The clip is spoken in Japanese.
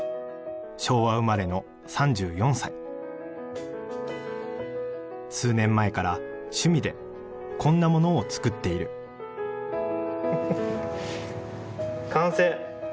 昭和生まれの３４歳数年前から趣味でこんなものを作っている完成。